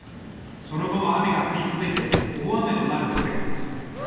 その後も雨が降り続いて大雨となるおそれがあります。